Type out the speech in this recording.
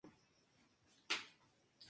Foreman y Trece arreglan sus diferencias.